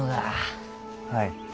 はい。